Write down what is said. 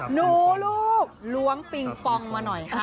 หนูลูกล้วงปิงปองมาหน่อย